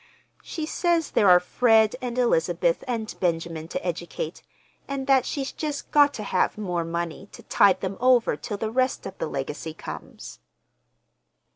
She says there are Fred and Elizabeth and Benjamin to educate, and that she's just got to have more money to tide them over till the rest of the legacy comes."